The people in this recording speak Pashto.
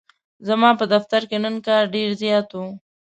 ځماپه دفترکی نن کار ډیرزیات و.